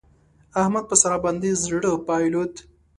احمد په سارا باندې زړه بايلود.